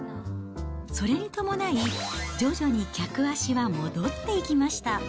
それに伴い、徐々に客足は戻っていきました。